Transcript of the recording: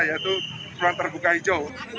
yaitu ruang terbuka hijau